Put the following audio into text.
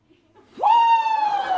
フォー！